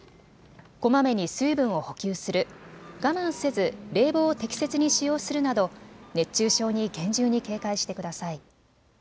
こまめに水分を補給する、我慢せず冷房を適切に使用するなど熱中症に厳重に警戒してください。